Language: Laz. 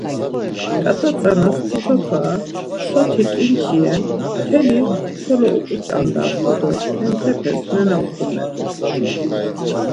Ǩat̆a tzanas tito fara, soti ǩinçi ren mtelisxolo oǩuç̌andamt̆u do henteres nena utzumet̆u.